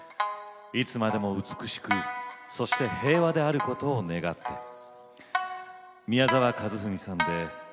いつまでも美しくそして平和であることを願って。